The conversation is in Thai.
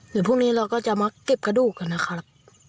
เดี๋ยวพรุ่งนี้เราก็จะมาเก็บกระดูกกันนะครับ